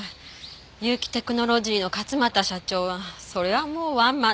結城テクノロジーの勝又社長はそれはもうワンマンな男で。